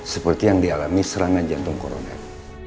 seperti yang dialami serangan jantung koroner